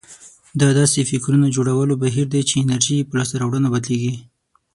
دا داسې فکرونه جوړولو بهير دی چې انرژي يې په لاسته راوړنو بدلېږي.